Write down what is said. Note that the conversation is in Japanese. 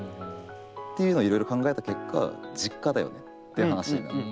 っていうのをいろいろ考えた結果「実家だよね」って話になって。